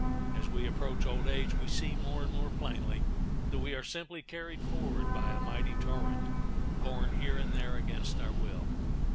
As we approach old age we see more and more plainly that we are simply carried forward by a mighty torrent, borne here and there against our will.